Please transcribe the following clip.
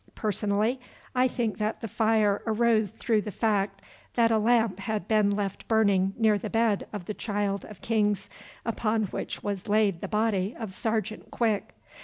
Personally, I believe that the fire arose through the fact that a lamp had been left burning near the bed of the Child of Kings upon which was laid the body of Sergeant Quick.